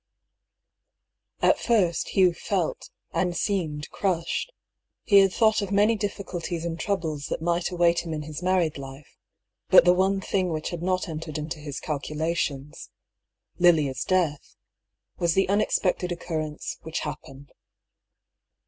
At first Hngh felt and seemed crushed. He had thought of many difficulties and troubles that might await him in his married life, but the one thing which had not entered into his calculations — Lilians death — was the unexpected occurrence which happened.